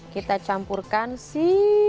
kita campurkan si